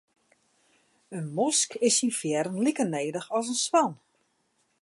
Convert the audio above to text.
In mosk is syn fearen like nedich as in swan.